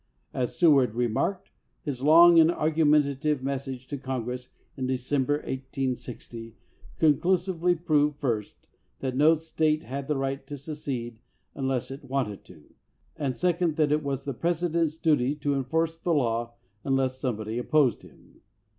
As Seward re marked, his long and argumentative message to Congress in December, 1860, conclusively proved, first, that no State had the right to secede unless it wanted to, and, second, that it was the Presi dent's duty to enforce the law unless somebody opposed him.